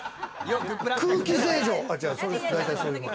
空気清浄。